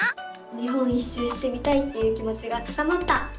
日本一周してみたいっていう気もちが高まった！